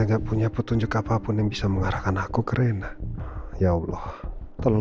enggak punya petunjuk apapun yang bisa mengarahkan aku kerena ya allah tolong